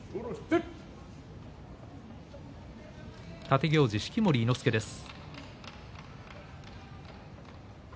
立行司、式守伊之助です。